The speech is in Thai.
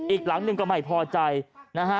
อีกหลังหนึ่งก็ไม่พอใจนะฮะ